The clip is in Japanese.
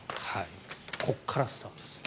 ここからスタートする。